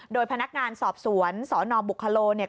โดยพนักงานสอบสวนสนบุคโลเนี่ย